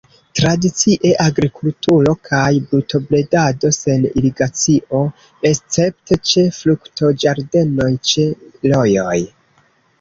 Tradicie agrikulturo kaj brutobredado sen irigacio, escepte ĉe fruktoĝardenoj ĉe rojoj.